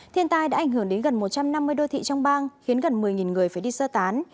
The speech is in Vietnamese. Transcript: thiên tai đã ảnh hưởng đến gần một trăm năm mươi đô thị trong bang khiến gần một mươi người phải đi sơ tán